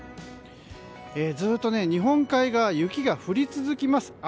ずっと日本海側雪が降り続きます。